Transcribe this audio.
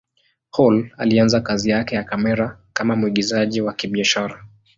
Hall alianza kazi yake ya kamera kama mwigizaji wa kibiashara.